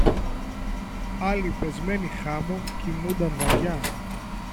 Άλλοι, πεσμένοι χάμω, κοιμούνταν βαριά